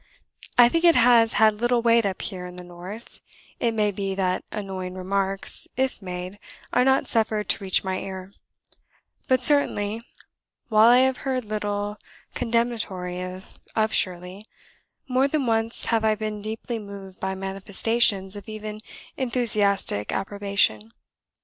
I think it has had little weight up here in the North it may be that annoying remarks, if made, are not suffered to reach my ear; but certainly, while I have heard little condemnatory of Shirley, more than once have I been deeply moved by manifestations of even enthusiastic approbation.